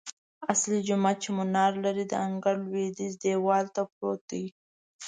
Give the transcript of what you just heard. اصلي جومات چې منار لري، د انګړ لویدیځ دیوال ته پروت دی.